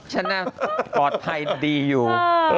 ชิวอยู่